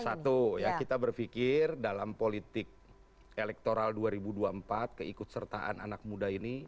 satu kita berfikir dalam politik elektoral dua ribu dua puluh empat keikutsertaan anak muda ini